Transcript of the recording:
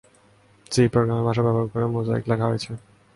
C programming ভাষা ব্যবহার করে মোজাইক লেখা হয়েছে।